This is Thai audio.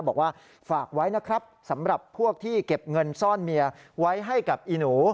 บอกว่าฝากไว้นะครับสำหรับพวกที่เก็บเงินซ่อนเมียไว้ให้กับอีหนู